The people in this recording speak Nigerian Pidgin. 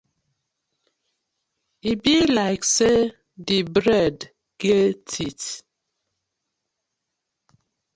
E bi like say di bread get teeth.